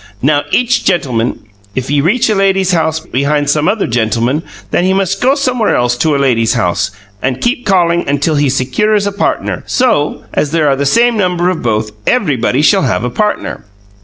Now each gentleman, if he reach a lady's house behind some other gentleman, then he must go somewhere else to a lady's house, and keep calling until he secures a partner; so, as there are the same number of both, everybody shall have a partner.